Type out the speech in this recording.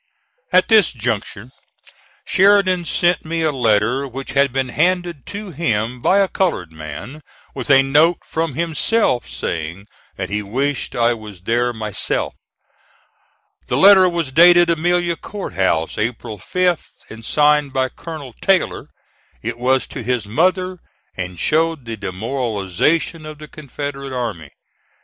At this juncture Sheridan sent me a letter which had been handed to him by a colored man, with a note from himself saying that he wished I was there myself. The letter was dated Amelia Court House, April 5th, and signed by Colonel Taylor. It was to his mother, and showed the demoralization of the Confederate army.